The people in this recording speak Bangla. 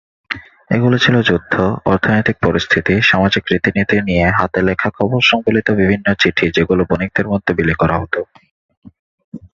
এগুলি ছিল যুদ্ধ, অর্থনৈতিক পরিস্থিতি, সামাজিক রীতিনীতি নিয়ে হাতে লেখা খবর-সংবলিত বিভিন্ন চিঠি যেগুলি বণিকদের মধ্যে বিলি করা হত।